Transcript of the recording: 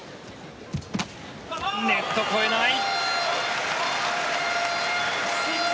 ネットを越えない。